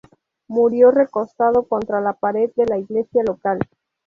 Murió recostado contra la pared de la iglesia local.